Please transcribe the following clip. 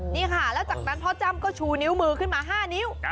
นี่ค่ะแล้วจากนั้นพ่อจ้ำก็ชูนิ้วมือขึ้นมา๕นิ้ว